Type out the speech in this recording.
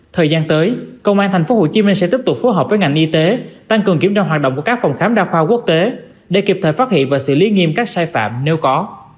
thời gian tới công an tp hcm sẽ tiếp tục phối hợp với ngành y tế tăng cường kiểm tra hoạt động của các phòng khám đa khoa quốc tế để kịp thời phát hiện và xử lý nghiêm các sai phạm nếu có